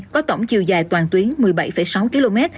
có tổng chiều dài toàn tuyến một mươi bảy sáu km